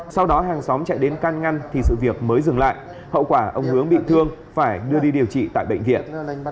sau đó hàng xóm chạy đến can ngăn thì sự việc mới dừng lại hậu quả ông hướng bị thương phải đưa đi điều trị tại bệnh viện